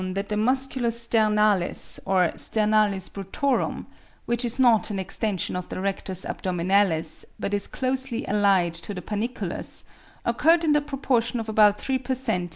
that the musculus sternalis or sternalis brutorum, which is not an extension of the rectus abdominalis, but is closely allied to the panniculus, occurred in the proportion of about three per cent.